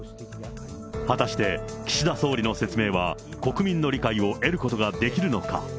果たして岸田総理の説明は、国民の理解を得ることができるのか。